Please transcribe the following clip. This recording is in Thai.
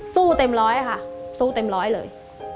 เต็มร้อยค่ะสู้เต็มร้อยเลย